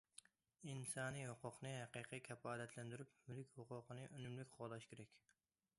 ئىنسانىي ھوقۇقنى ھەقىقىي كاپالەتلەندۈرۈپ، مۈلۈك ھوقۇقىنى ئۈنۈملۈك قوغداش كېرەك.